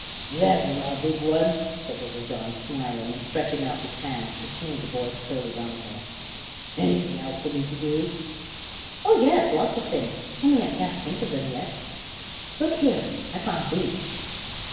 "Very well, big one," said Little John, smiling and stretching out his hand to smooth the boy's curly brown hair. "Anything else for me to do?" "Oh yes, lots of things, only I can't think of them yet. Look here, I found these."